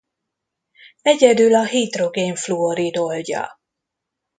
Egyedül a hidrogén-fluorid oldja.